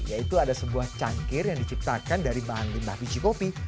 yaitu ada sebuah cangkir yang diciptakan dari bahan limbah biji kopi